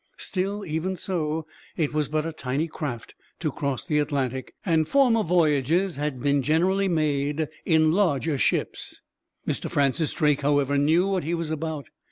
Still, even so, it was but a tiny craft to cross the Atlantic, and former voyages had been generally made in larger ships. Mr. Francis Drake, however, knew what he was about.